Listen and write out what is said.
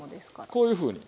こういうふうに。